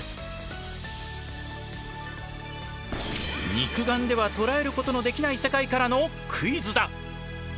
肉眼では捉えることのできない世界からのクイズだ。